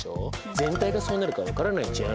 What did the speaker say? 全体がそうなるか分からないじゃん。